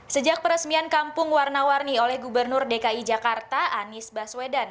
sejak peresmian kampung warna warni oleh gubernur dki jakarta anies baswedan